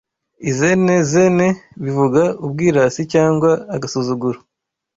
Izenezene bivuga ubwirasi cyangwa agasuzuguro